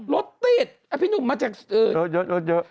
รถติดพี่หนุ่มมาจากรถเยอะ